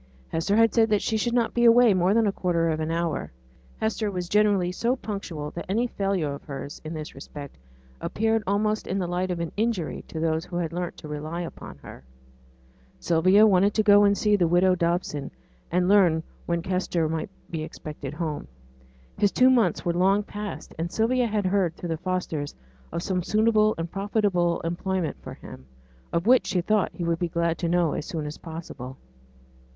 Hester had said that she should not be away more than a quarter of an hour; and Hester was generally so punctual that any failure of hers, in this respect, appeared almost in the light of an injury on those who had learnt to rely upon her. Sylvia wanted to go and see widow Dobson, and learn when Kester might be expected home. His two months were long past; and Sylvia had heard through the Fosters of some suitable and profitable employment for him, of which she thought he would be glad to know as soon as possible.